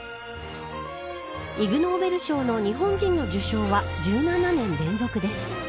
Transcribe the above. イグ・ノーベル賞の日本人の受賞は１７年連続です。